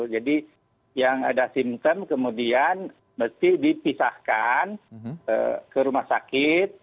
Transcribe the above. jadi yang ada simptom kemudian mesti dipisahkan ke rumah sakit